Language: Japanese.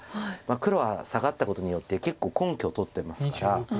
黒はサガったことによって結構根拠を取ってますから。